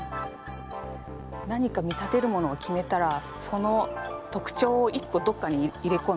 何か見立てるものを決めたらその特徴を１こどっかに入れこむ。